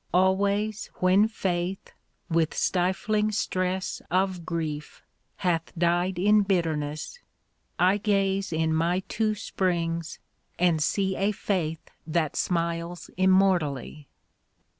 Always when Faith with stifling stress Of grief hath died in bitterness, I gaze in my two springs and see A Faith that smiles immortally.